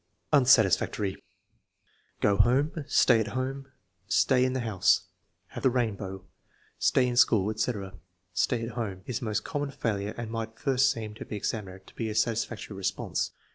Unsatisfactory. "Go home," "Stay at home," "Stay in the house," "Have the rainbow," "Stay in school," etc. "Stay at home" is the most common failure and might at first seem to the examiner to be a satisfactory response.